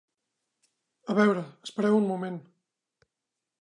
A veure, espereu un moment!